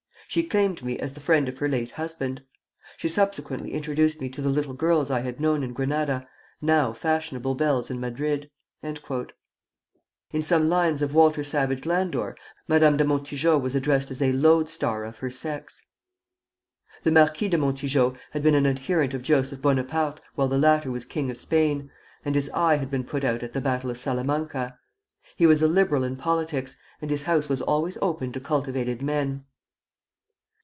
She claimed me as the friend of her late husband. She subsequently introduced me to the little girls I had known in Granada, now fashionable belles in Madrid." In some lines of Walter Savage Landor, Madame de Montijo was addressed as a "lode star of her sex." The Marquis de Montijo had been an adherent of Joseph Bonaparte while the latter was king of Spain, and his eye had been put out at the battle of Salamanca. He was a liberal in politics, and his house was always open to cultivated men.